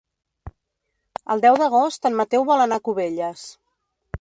El deu d'agost en Mateu vol anar a Cubelles.